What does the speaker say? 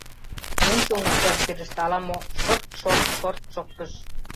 Ончылно, чашкерыште, ала-мо шырт-шорт-шорт шоктыш.